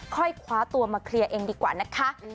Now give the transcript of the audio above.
ค่อยคว้าตัวมาเคลียร์เองดีกว่านะคะ